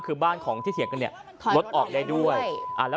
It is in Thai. คือบ้านลดออกได้ด้วย